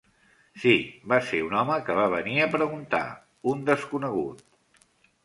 Sí, va ser un home que va venir a preguntar, un desconegut.